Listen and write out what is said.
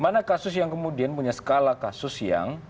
mana kasus yang kemudian punya skala kasus yang